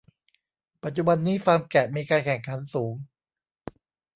ปัจจุบันนี้ฟาร์มแกะมีการแข่งขันสูง